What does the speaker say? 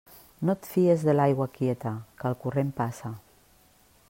No et fies de l'aigua quieta, que el corrent passa.